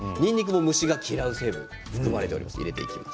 虫が嫌いな成分が含まれています。